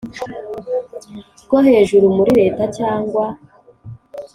Rwo hejuru muri leta cyangwa